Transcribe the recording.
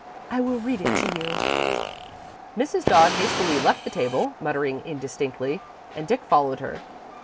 I will read it to you." Mrs. Dodd hastily left the table, muttering indistinctly, and Dick followed her.